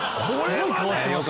すごい顔してますよ。